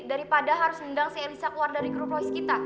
daripada harus nendang si elisa keluar dari grup royce kita